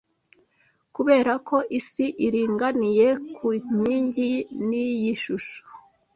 Kuberako Isi iringaniye ku nkingi, ni iyi shusho